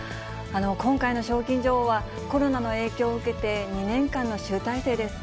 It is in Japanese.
今回の賞金女王は、コロナの影響を受けて、２年間の集大成です。